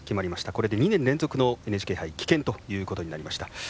これで２年連続のＮＨＫ杯棄権ということになりました。